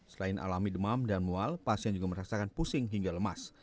selain alami demam dan mual pasien juga merasakan pusing hingga lemas